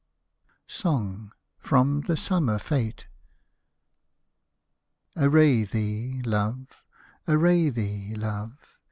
SONG (FROM "THE SUMMER FETE '') Array thee, love, array thee, love.